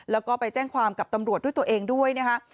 แล้วก็ไปแจ้งความกับตำรวจด้วยตัวเองด้วยนะคะ